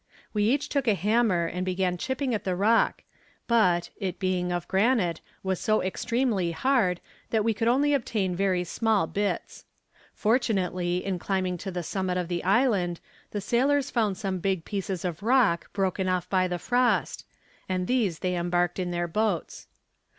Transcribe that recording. We each took a hammer and began chipping at the rock, but, it being of granite, was so extremely hard that we could only obtain very small bits. Fortunately in climbing to the summit of the island the sailors found some big pieces of rock broken off by the frost, and these they embarked in their boats.